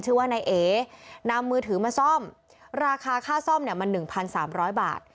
ชื่อว่านายเอ๋นำมือถือมาซ่อมราคาค่าซ่อมเนี้ยมันหนึ่งพันสามร้อยบาท